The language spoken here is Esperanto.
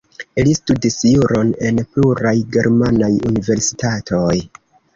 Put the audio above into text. Li studis juron en pluraj germanaj universitatoj.